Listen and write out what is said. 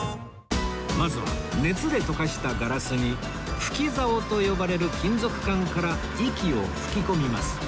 まずは熱で溶かしたガラスに吹き竿と呼ばれる金属管から息を吹き込みます